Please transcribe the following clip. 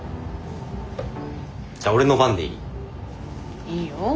じゃあ俺の番でいい？いいよ。